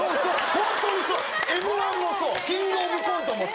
ホントにそう『Ｍ−１』もそう『キングオブコント』もそう。